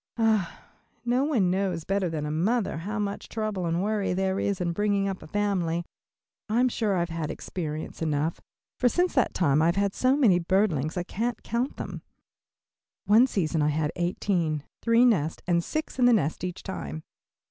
Ah, no one knows better than a mother how much trouble and worry there is in bringing up a family. I'm sure I have had experience enough, for since that time I have had so many birdlings I can't count them. One season I had eighteen, three nests, and six in the nest each time.